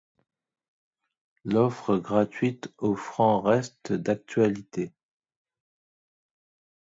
L'offre gratuite offrant reste d'actualité.